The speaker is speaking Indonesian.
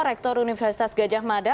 rektor universitas gajah mada